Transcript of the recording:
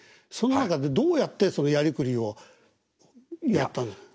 その中でどうやってやりくりをやったの？